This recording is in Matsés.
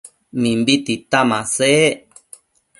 Mimbi tita masec